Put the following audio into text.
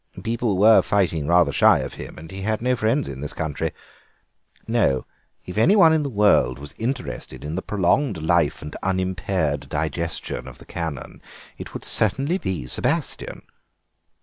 People were fighting rather shy of him, and he had no friends in this country. No; if anyone in the world was interested in the prolonged life and unimpaired digestion of the Canon it would certainly be Sebastien."